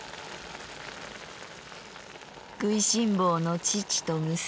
食いしん坊の父と娘